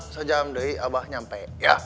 sejam deh abah nyampe